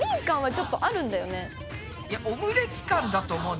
いやオムレツ感だと思うな。